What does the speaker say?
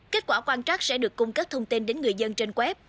kết quả quan trắc sẽ được cung cấp thông tin đến người dân trên web